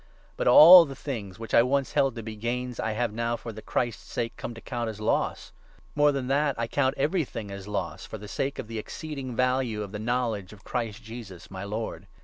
But 7 all the things which I once held to be gains I have now, for the Christ's sake, come to count as loss. More than that, I 8 count everything as loss, for the sake of the exceeding value of the knowledge of Christ Jesus my Lord.